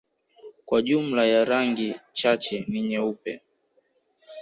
kwa jumla ya rangi chache ni nyeupe